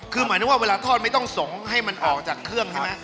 คือหมายถึงว่าเวลาทอดไม่ต้องส่งให้มันออกจากเครื่องใช่ไหม